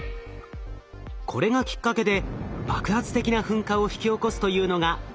これがきっかけで爆発的な噴火を引き起こすというのが定説でした。